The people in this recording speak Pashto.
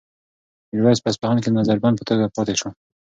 میرویس په اصفهان کې د نظر بند په توګه پاتې شو.